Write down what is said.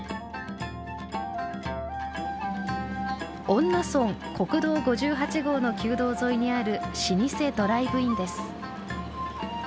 恩納村国道５８号の旧道沿いにある老舗ドライブインです。